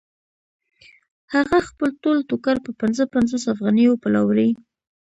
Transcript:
هغه خپل ټول ټوکر په پنځه پنځوس افغانیو پلوري